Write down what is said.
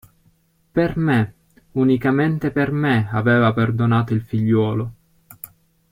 Per me, unicamente per me aveva perdonato il figliuolo.